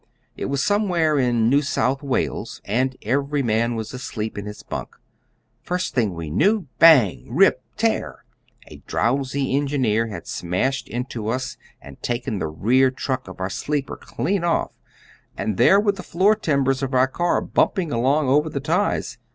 It was somewhere in New South Wales, and every man was asleep in his bunk. First thing we knew, bang, rip, tear! a drowsy engineer had smashed into us and taken the rear truck of our sleeper clean off, and there were the floor timbers of our car bumping along over the ties.